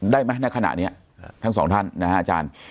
ได้ไหมณขณะนี้ทั้งสองท่านนะฮะอาจารย์